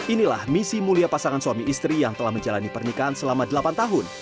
inilah misi mulia pasangan suami istri yang telah menjalani pernikahan selama delapan tahun